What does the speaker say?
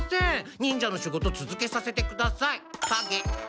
忍者の仕事続けさせてくださいかげ！